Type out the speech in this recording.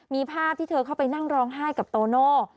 มีภาพที่เธอเข้าไปนั่งร้องไห้กับโตโน่